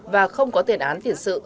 và không có tiền án tiền sự